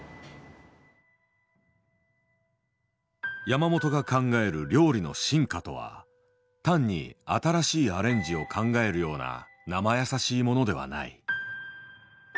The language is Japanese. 山本が考える料理の進化とは単に新しいアレンジを考えるようななまやさしいものではない。